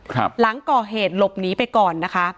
หลังก่อเหตุหลบหนีไปก่อนนะคะ